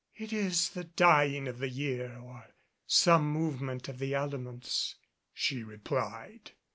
"It is the dying of the year or some movement of the elements," she replied.